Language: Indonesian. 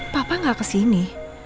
papa gak kesini